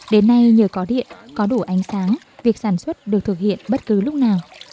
đến nay nhờ có điện có đủ ánh sáng việc sản xuất được thực hiện bất cứ lúc nào